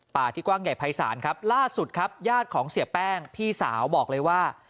ที่กว้างใหญ่ภัยศาลครับล่าสุดครับญาติของเสียแป้งพี่สาวบอกเลยว่า